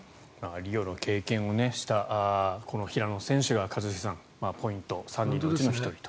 リオの経験をした平野選手が一茂さん、ポイント３人のうちの１人と。